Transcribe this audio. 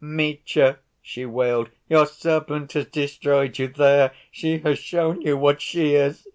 "Mitya," she wailed, "your serpent has destroyed you! There, she has shown you what she is!"